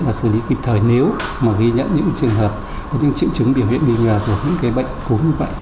và xử lý kịp thời nếu mà ghi nhận những trường hợp những triệu chứng biểu hiện bị ngờ của những cái bệnh cố như vậy